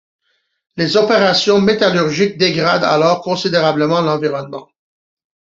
Les opérations métallurgiques dégradent alors considérablement l'environnement.